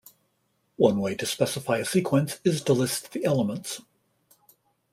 One way to specify a sequence is to list the elements.